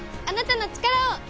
あなたの力を。